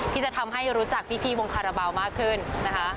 ที่จะทำให้รู้จักพิธีวงคาราบาลมากขึ้นนะคะ